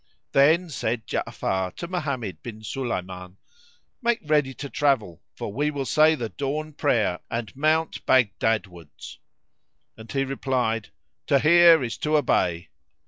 Then said Ja'afar to Mohammed bin Sulayman, "Make ready to travel, for we will say the dawn prayer and mount Baghdad wards;" and he replied, "To hear is to obey."